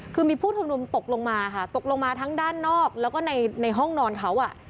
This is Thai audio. คือมีผู้ชุมนุมตกลงมาค่ะตกลงมาทั้งด้านนอกแล้วก็ในห้องนอนเขาอ่ะ